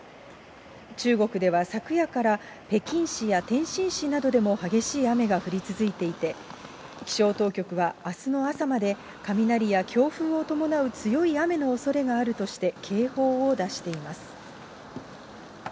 中国では昨夜から北京市や天津市などでも、激しい雨が降り続いていて、気象当局はあすの朝まで、雷や強風を伴う強い雨のおそれがあるとして、警報を出しています。